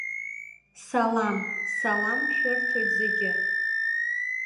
Салам, салам шәырҭоит зегьы!